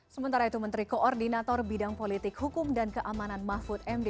sementara itu menteri koordinator bidang politik hukum dan keamanan mahfud md